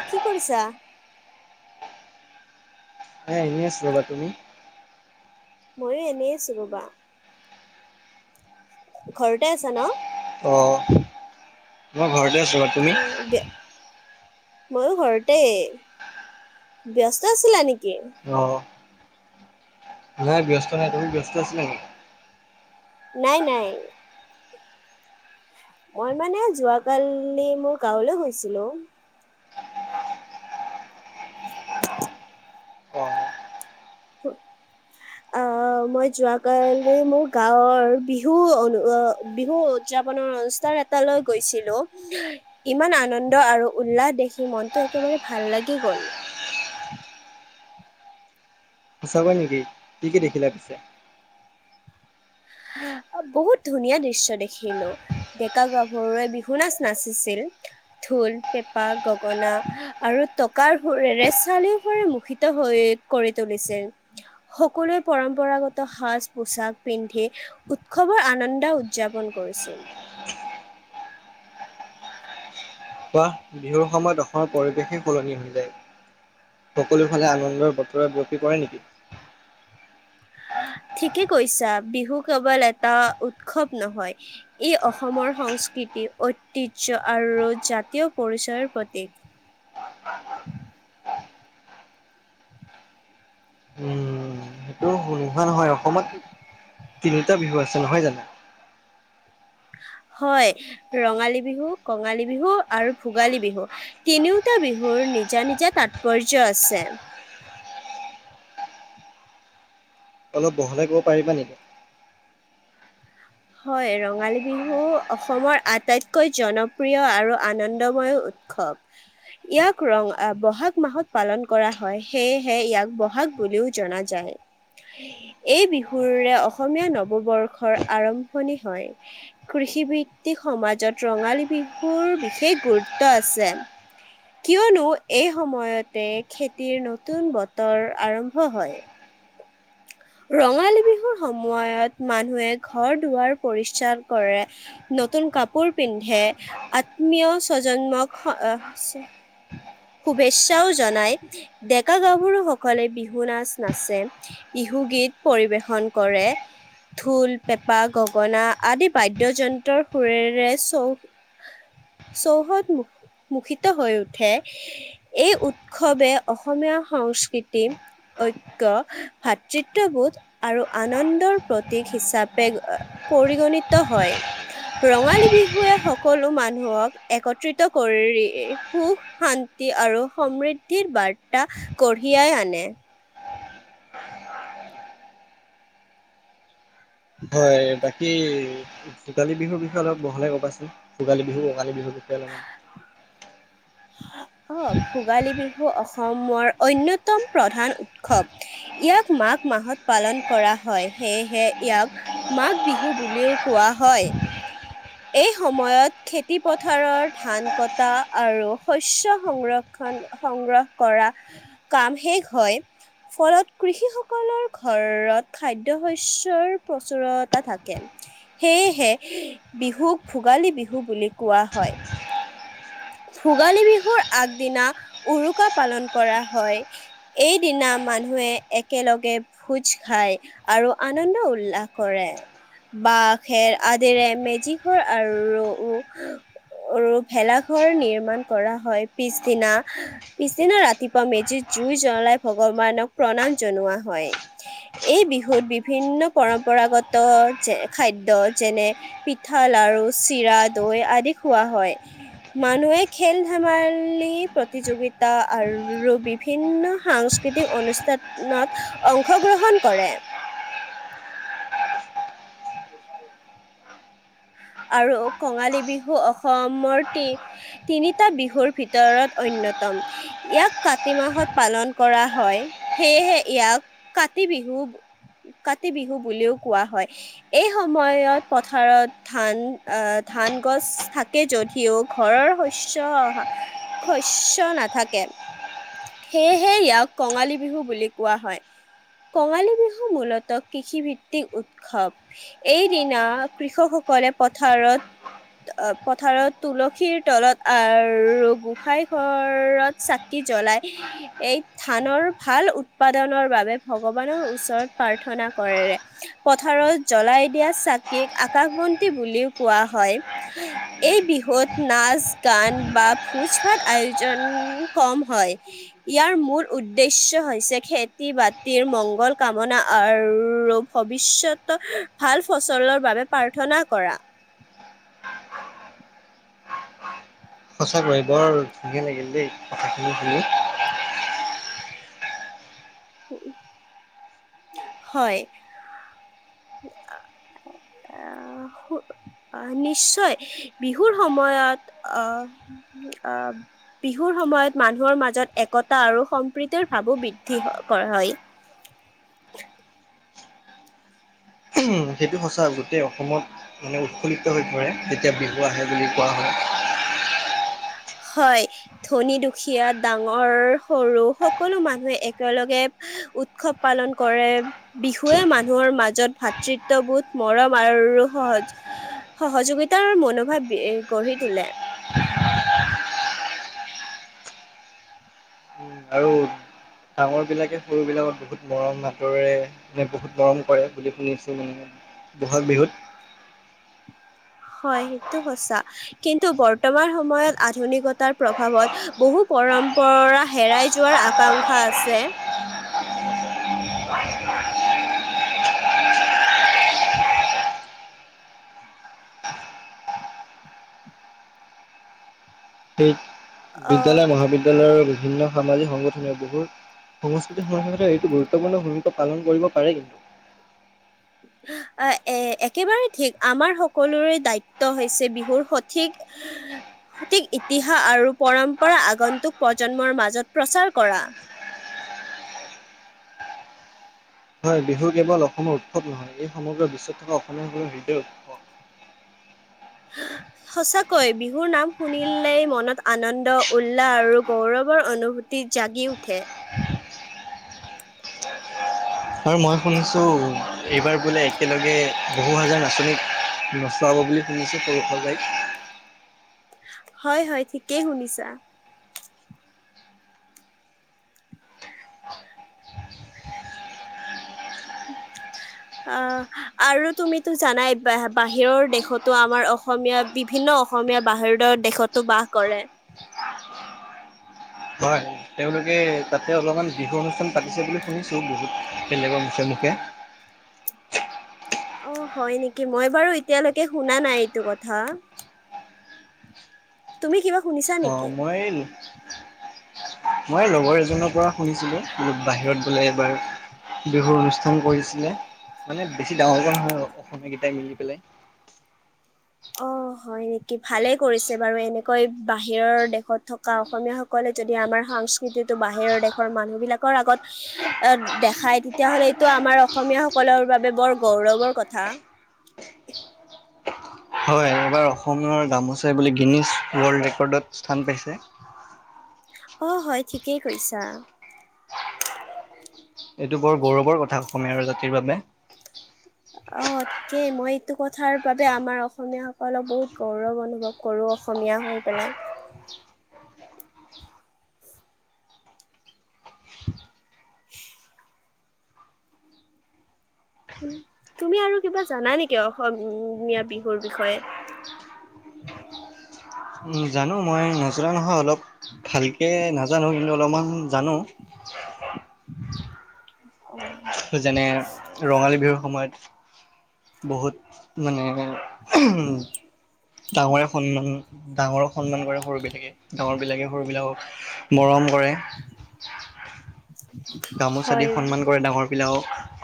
অ' কি কৰিছা? এ এনে আছ ৰ'বা, তুমি? ময়ো এনেই আছো ৰ'বা। ঘৰতে আছা ন? অ' মই ঘৰতে আছোঁ। বাৰু তুমি? উম ব্য ময়ো ঘৰতে, ব্যস্ত আছিলা নেকি? অ'। নাইয় ব্যস্ত নাই। তুমি ব্যস্ত আছিলা নেকি? নাই, নাই। মই মানে যোৱাকালি মোৰ গাঁৱলৈ গৈছিলো। অ' উ [unintelligible] মই কালি মোৰ গাঁৱৰ বিহু অনু বিহুত উদযাপনৰ অনুষ্ঠান এটা লৈ গৈছিলো। ইমান আনন্দ আৰু উল্লাহ দেখি মনটো একেবাৰে ভাল লাগি গ'ল। সঁচাকৈ নেকি? কি কি দেখিলে পিছে? বহুত ধুনীয়া দৃশ্য দেখিলো। ডেকা গাভৰুৱে বিহু নাচ নাচিছিল, ঢোল পেঁপা গগনা আৰু টকাৰ সুৰেৰে চাৰিওফালে মুষৰিত হৈ কৰি তুলিছিল। সকলোৱে পৰম্পৰাগত সাজ পোচাক পিন্ধি উৎসৱৰ আনন্দ উদযাপন কৰিছিল। চোবা, বিহুৰ সময়ত অসমৰ পৰিৱেশেই সলনি হৈ যায়। সকলো ফালে আনন্দৰ বতৰ বৰ্তি কৰে নেকি? ঠিকেই কৈছা বিহু কেৱল এটা উৎসৱ নহয়। ই অসমৰ সংস্কৃতি, ঐতিহ্য আৰু জাতীয় পৰিচয়ৰ প্ৰতীক। উম। সেইটো নোহোৱা নহয়, অসমত তিনিটা বিহু আছে নহয় জানো। হয়, ৰঙালী বিহু, কঙালী বিহু আৰু ভোগালী বিহু। তিনিওটা বিহুৰ নিজা-নিজা তাৎপৰ্য আছে। অলপ বহলাই ক'ব পাৰিবা নেকি? হয়, ৰঙালী বিহু অসমৰ আটাইতকৈ জনপ্ৰিয় আৰু আনন্দময় উৎসৱ। ইয়াক ৰং বহাগ মাহত পালন কৰা হয় সেয়েহে ইয়াক বহাগ বুলিও জনা যায়। এই বিহুৰে অসমীয়া নৱবৰ্ষৰ আৰম্ভণি হয়। কৃষিভিত্তিক সমাজত ৰঙালী বিহুৰ বিশেষ গুৰুত্ব আছে। কিয়নো এই সময়তে খেতিৰ নতুন বতৰ আৰম্ভ হয়। ৰঙালী বিহুৰ সময়ত মানুহে ঘৰ-দুৱাৰ পৰিষ্কাৰ কৰে। নতুন কাপোৰ পিন্ধে, আত্মীয় স্বজন্মক স শুভেচ্ছাও জনায়। ডেকা-গাভৰু সকলে বিহু নাচ নাচে। বিহু ধুগীত পৰিৱেশন কৰে। ঢোল, পেঁপা, গগনা আদি বাদ্যযন্ত্ৰৰ সুৰেৰে চৌ চৌহদ মু-মুখিত হৈ উঠে। এই উৎসৱে অসমীয়া সংস্কৃতি ঐক্য ভাত চিত্ৰবুধ আৰু আনন্দৰ প্ৰতীক হিচাপে আহ পৰিগণিত হয়। ৰঙালী বিহুৱে সকলো মানুহক একত্ৰিত কৰি সুখ, শান [unintelligible] আৰু সমৃদ্ধিৰ বাৰ্তা কঢ়িয়াই আনে। [inaudible] হয়। বাকী ভোগালী বিহুৰ বিষয়ে অলপ বহলাই ক'বা চোন। ভোগালী বিহু, ৰঙালী বিহুৰ বিষয়ে অলপমান। [inaudible] অঁ! ভোগালী বিহু অসমৰ অন্যতম প্ৰধান উৎসৱ। ইয়াক মাঘ মাহত পালন কৰা হয়, সেয়েহে ইয়াক মাঘ বিহু বুলিও কোৱা হয়। এই সময়ত খেতি পথাৰৰ ধান কটা আৰু শস্য সংৰক্ষণ, সংগ্ৰহ কৰা কাম শেষ হয়। ফলত কৃষিসকলৰ ঘৰত খাদ্য শস্যৰ প্ৰচুৰতা থাকে। সেয়েহে বিহুক ভোগালী বিহু বুলি কোৱা হয়। ভোগালী বিহুৰ আগদিনা উৰুকা পালন কৰা হয়। এইদিনা মানুহে একেলগে ভোজ খায়। আৰু আনন্দ উল্লাস কৰে। বাঁহ, খেৰ আদিৰে মেজি ঘৰ আৰু আৰু ভেলাঘৰ নিৰ্মাণ কৰা হয়, পিছদিনা পিছদিনা ৰাতিপুৱা মেজিত জুই জ্বলাই ভগৱানক প্ৰণাম জনোৱা হয়। এই বিহুত বিভিন্ন পৰম্পৰাগত যে খাদ্য যেনে পিঠা, লাৰু, চিৰা, দৈ আদি খোৱা হয়। মানুহে খেল-ধেমালি, প্ৰতিযোগিতা আৰু বিভিন্ন সাং স্কৃতিক অনুষ্ঠানত অংশগ্ৰহণ কৰে। [inaudible] আৰু কঙালী বিহু অসমৰ তি তিনিটা বিহুৰ ভিতৰত অন্যতম। ইয়াক কাতি মাহত পালন কৰা হয়, সেয়েহে ইয়াক কাতি বিহু কাতি বিহু বুলিও কোৱা হয়, এই সময়ত পথাৰত ধান আহ, ধান গছ থাকে যদিও ঘৰৰ শস্য শস্য নাথাকে। সেয়েহে ইয়াক কঙালী বিহু বুলি কোৱা হয়। কঙালী বিহু মূলত কৃষিভিত্তিক উৎসৱ। এইদিনা কৃষকসকলে পথাৰত অ', পথাৰত তুলসীৰ তলত আৰু গোসাই ঘৰত চা কি জ্বলায় এই ধানৰ ভাল উৎপাদনৰ বাবে ভগৱানৰ ওচৰত প্ৰাৰ্থনা কৰে। পথাৰত জ্বলাই দিয়া চাকিক আকাশবন্তী বুলিও কোৱা হয়। এই বিহুত নাচ, গান বা ভোজভাত আয়োজন কম হয়। ইয়াৰ মূল উদ্দেশ্য হৈছে খেতি - বাতিৰ মংগল কামনা আৰু ভৱিষ্যতৰ ভাল ফচলৰ বাবে প্ৰাৰ্থনা কৰা। সঁচাকৈয়ে বৰ ধুনীয়া লাগিল দেই কথাখিনি শুনি। [unintelligible] হয়। [unintelligible] আহ আহ নিশ্চয় বিহুৰ সময়ত আহ উম অব বিহুৰ সময়ত মানুহৰ মাজত একতা আৰু সম্প্ৰীতিৰ ভাৱো বৃদ্ধি অ কৰা হয়। উম সেইটো সঁচা গোটেই অসমত মানে উৎফুল্লিত হৈ পৰে যেতিয়া বিহু আহে বুলি কোৱা হয়। হয়। ধনী - দুখীয়া, ডাঙৰ - সৰু সকলো মানুহে একেলগে উৎসৱ পালন কৰে। বিহুৱে মানুহৰ মাজত ভাতৃত্ববোধ, মৰম আৰু সহজ সহযোগিতাৰ মনোভাৱ বি এ গঢ়ি তোলে। উম, আৰু ডাঙৰবিলাকে সৰুবিলাকত বহুত মৰম আদৰেৰে মানে বহুত মৰম কৰে বুলি শুনিছোঁ মানে। ব'হাগ বিহুত। হয় সেইটো সচা। কিন্তু বৰ্তমান সময়ত আধুনিকতাৰ প্ৰভাৱত বহু পৰম্পৰা হেৰাই যোৱাৰ আ কাংক্ষা আছে। সেই অ বিদ্যালয় মহাবিদ্যালয়ৰ বিভিন্ন সামাজিক সংগঠনে বহু সংস্কৃতিৰ সম এইটো গুৰুত্বপূৰ্ণ ভূমিকা পালন কৰিব পাৰে কিন্তু। আহ আহ এ একেবাৰে ঠিক আমাৰ সকলোৰে দায়িত্ব হৈছে বিহুৰ সঠিক সঠিক ইতিহাস আৰু পৰম্পৰা আগন্তুক প্ৰজন্মৰ মাজত প্ৰচাৰ কৰা। হয় বিহু কেৱল অসমৰ উৎসৱ নহয় এই সমগ্ৰ বিশ্বত থকা অসমীয়া বিৰ হৃদয় উৎস আঁহ সঁচাকৈ বিহুৰ নাম শুনিলেই মনত আনন্দ, উল্লাহ আৰু গৌৰৱৰ অনুভূ জাগি উঠে [inaudible] আৰু মই শুনিছোঁ এইবাৰ বোলে একেলগে বহু হাজাৰ আঁচনিক নোচোৱাব বুলি শুনিছো সৰু হোজাইত। হয় হয় ঠিকেই শুনিছা। অ আৰু তুমিতো জানাই বাহিৰৰ দেশতো আমাৰ অসমীয়া বিভিন্ন অসমীয়া বাহিৰৰ দেশতো বাস কৰে। [inaudible] হয় তেওঁলোকে তাতে অলপমান বিহু অনুষ্ঠান পাতিছে বুলি শুনিছো। বেলেগৰ মুখে মুখে। অ হয় নেকি, মই বাৰু এতিয়ালৈকে শুনা নাই এইটো কথা। তুমি কিবা শুনিছা নেকি? অঁ মই, মই এই লগৰ এজনৰ পৰা শুনিছিলো বাহিৰত বোলে এবাৰ বিহুৰ অনুষ্ঠান কৰিছিলে মানে বেছি ডাঙৰকে নহয় আৰু অসমীয়া কেইটাই মিলি পেলাই। অ হয় নেকি, ভালেই কৰিছে বাৰু এনেকৈ বাহিৰৰ দেশত থকা অসমীয়া সকলে যদি আমাৰ সংস্কৃতিটো বাহিৰৰ দেশৰ মানুহ বিলাকৰ আগত দেখাই তেতিয়া হ'লে এইটো আমাৰ অসমীয় সকলৰ বাবে বৰ গৌৰৱৰ কথা। হয় এইবাৰ অসমৰ গামোচা বোলে গিনিছ ৱৰ্ল্ড ৰেকৰ্ডত স্থান পাইছে। অ হয় ঠিকেই কৈছা। এইটো বৰ গৌৰৱৰ কথা অসমীয়াৰ জাতিৰ বাবে। অ ঠিকেই মই এইটো কথাৰ বাবে আমাৰ অসমীয়াসকলক বহুত গৌৰৱ অনুভৱ কৰো অসমীয়া হৈ পেলাই। [inaudible] তুমি আৰু কিবা জানা নেকি অসমীয়া বিহুৰ বিষয়ে? জানো মই নজনা নহয় অলপ ভালকৈ নাজানো কিন্তু অলপমান জানো অঁ অঁ। যেনে ৰঙালী বিহুৰ সময়ত বহুত মানে ডাঙৰে সন্মান ডাঙৰক সন্মান কৰে সৰু বিলাকে ডাঙৰ বিলাকে সৰু বিলাকক মৰম কৰে। গামোচা দি হয়, সন্মান কৰে ডাঙৰ বিলাকক।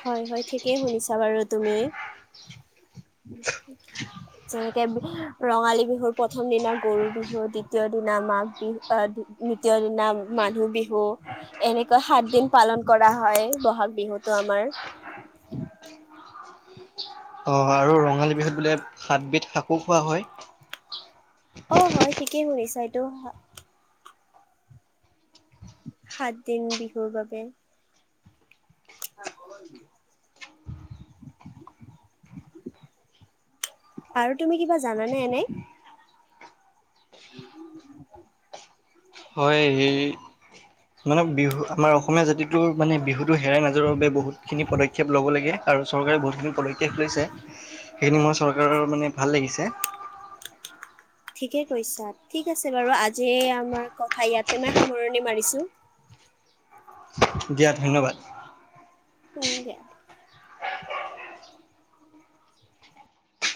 হয় হয়, ঠিকেই শুনিছা বাৰু তুমি। [unintelligible] যেনেকে ৰঙালী বিহুৰ প্ৰথম দিনা গৰু বিহু দ্বিতীয় দিনা মা বি আহ দ্বিতীয় দিনা মানুহ বিহু। এনেকৈ সাত দিন পালন কৰা হয় বহাগ বিহুতো আমাৰ। অ আৰু ৰঙালী বিহুত বোলে সাতবিধ শাকো খোৱা হয়? অ হয় ঠিকেই শুনিছা এইটো। সাত দিন বিহুৰ বাবে [unintelligible] আৰু তুমি কিবা জানানে এনে? [inaudible] হয় এই মানে বিহু আমাৰ অসমীয়া জাতিটোৰ মানে বিহুটোৰ হেৰাই নাযাবৰ বাবে বহুতো খিনি পদক্ষেপ ল'ব লাগে আৰু চৰকাৰে বহুতখিনি পদক্ষেপ লৈছে। সেইখিনি মোৰ চৰকাৰৰ মানে ভাল লাগিছে ঠিকে কৈছা ঠিক আছে বাৰু আজি আমাৰ কথা ইয়াতে মই সামৰণি মাৰিছো দিয়া ধন্যবাদ [unintelligible]